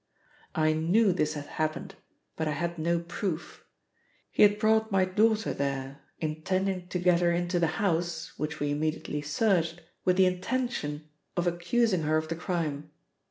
"I knew this had happened, but I had no proof. He had brought my daughter there, intending to get her into the house, which we immediately searched, with the intention of accusing her of the crime.